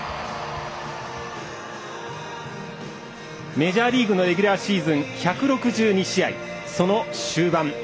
メジャーリーグのレギュラーシーズン１６２試合、その終盤。